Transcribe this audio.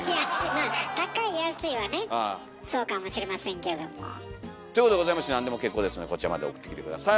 まあ高い安いはねそうかもしれませんけども。ということでございまして何でも結構ですのでこちらまで送ってきて下さい。